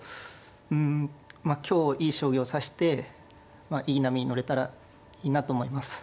うんまあ今日いい将棋を指していい波に乗れたらいいなと思います。